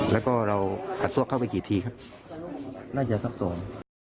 แล้วก็เรากัดซวกเข้าไปกี่ทีครับน่าจะซับซ้อน